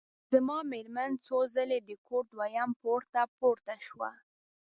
زما مېرمن څو ځلي د کور دویم پوړ ته پورته شوه.